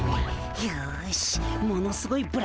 よしものすごい